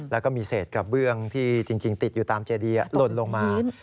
แล้วก็มีเศษกระเบื้องที่จริงติดอยู่ตามเจดีหล่นลงมา